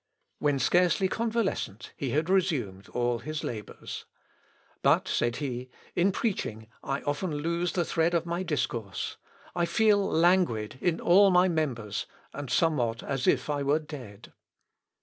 When scarcely convalescent, he had resumed all his labours. "But," said he, "in preaching I often lose the thread of my discourse. I feel languid in all my members, and somewhat as if I were dead."